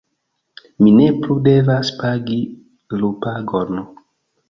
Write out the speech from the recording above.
mi ne plu devas pagi lupagon.